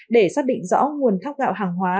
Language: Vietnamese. để xác định rõ nguồn thóc gạo hàng hóa